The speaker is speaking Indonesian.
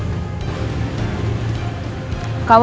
kamu mau ngusir perempuan yang kondisinya lagi hamil